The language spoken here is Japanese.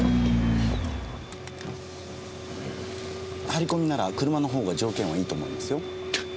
張り込みなら車の方が条件はいいと思いますよ。